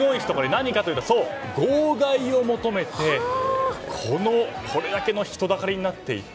何かというと号外を求めてこれだけの人だかりになっていて。